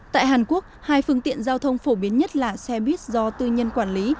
tại hàn quốc hai phương tiện giao thông phổ biến nhất là xe buýt do tư nhân quản lý